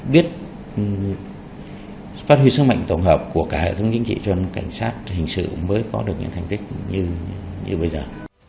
biết phát huy sức mạnh tổng hợp của cả hệ thống chính trị cho nên cảnh sát hình sự mới có được những thành tích như bây giờ